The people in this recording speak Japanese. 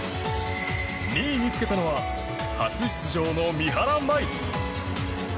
２位につけたのは初出場の三原舞依。